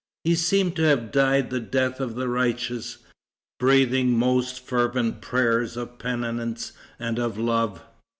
He seems to have died the death of the righteous, breathing most fervent prayers of penitence and of love.